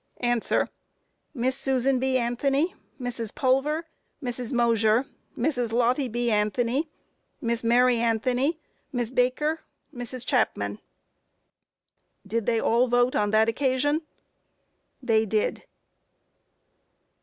A. Miss Susan B. Anthony, Mrs. Pulver, Mrs. Mosher, Mrs. Lottie B. Anthony, Miss Mary Anthony, Miss Baker, Mrs. Chapman. Q. Did they all vote on that occasion? A. They did.